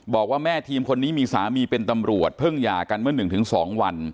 บอกว่าแม่ทีมคนนี้มีสามีเป็นตำรวจเพิ่งยากันเมื่อหนึ่งถึงสองวัน